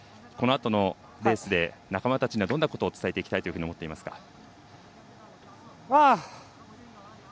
このあとのレースで仲間たちにはどんなことを伝えていきたいというふうに思いますか？